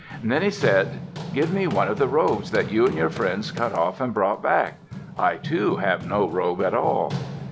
Then he said, "Give me one of the robes that you and your friends cut off and brought back. I, too, have no robe at all."